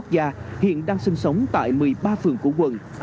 già hiện đang sinh sống tại một mươi ba phường của quận